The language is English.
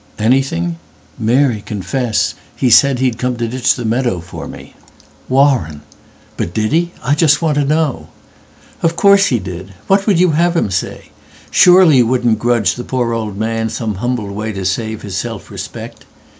"Anything? Mary, confessHe said he'd come to ditch the meadow for me.""Warren!""But did he? I just want to know.""Of course he did. What would you have him say? Surely you wouldn't grudge the poor old manSome humble way to save his self respect.